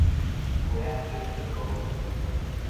杯仔雞卵糕